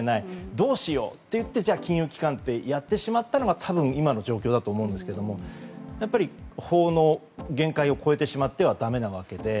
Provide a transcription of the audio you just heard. どうしようと言ってじゃあ金融機関とやってしまったのが多分、今の状況だと思うんですが法の限界を超えてしまってはだめなわけで。